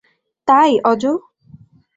তাই, অজ?